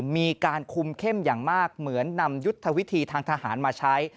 มีการคุมเข้มอย่างมากเหมือนนำยุทธวิธีทางทหารมาใช้